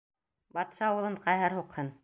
— Батша улын ҡәһәр һуҡһын!